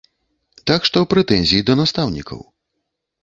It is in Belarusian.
Так што прэтэнзіі да настаўнікаў.